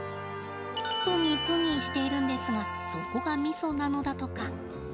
プニプニしているんですがそこがミソなのだとか。